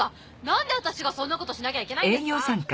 んで私がそんなことしなきゃいけないんですか！